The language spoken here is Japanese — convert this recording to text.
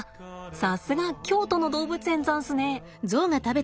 さすが京都の動物園ざんすね。